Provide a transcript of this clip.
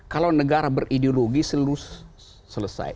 kalau negara berideologi selesai